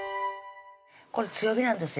これ強火なんですよ